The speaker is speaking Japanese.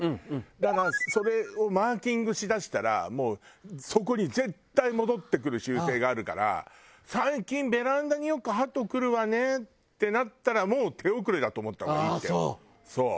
だからそれマーキングしだしたらもうそこに絶対戻ってくる習性があるから最近ベランダによくハト来るわねってなったらもう手遅れだと思った方がいいってそう。